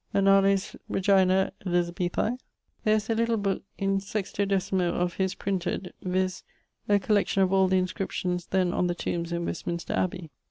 Annales reg. Elizabethae. There is a little booke in 16mo. of his printed, viz.: A Collection of all the Inscriptions then on the Tombes in Westminster Abbey.